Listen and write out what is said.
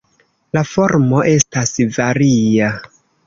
La formo estas varia.